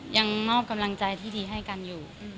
ยังมอบกำลังใจที่ดีให้กันอยู่